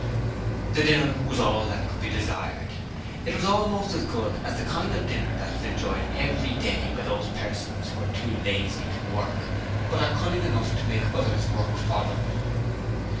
The dinner was all that could be desired; it was almost as good as the kind of dinner that is enjoyed every day by those persons who are too lazy to work but are cunning enough to make others work for them.